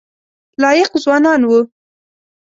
لایق ځوانان وو.